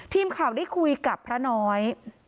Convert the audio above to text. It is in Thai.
ทีมข่าวได้คุยกับพระน้อย